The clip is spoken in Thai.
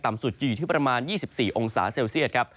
ต่ำสุดอยู่ที่ประมาณ๒๔องศาเซลเซียต